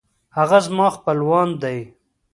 هغه زما خپلوان دی